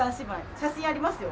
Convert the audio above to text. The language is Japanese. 写真ありますよ。